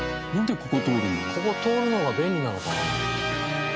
ここ通るのが便利なのかな？